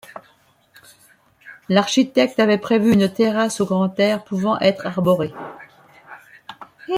L'architecte avait prévu une terrasse au grand air pouvant être arborée.